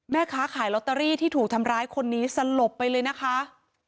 แม่ค้าขายลอตเตอรี่ที่ถูกทำร้ายคนนี้สลบไปเลยนะคะ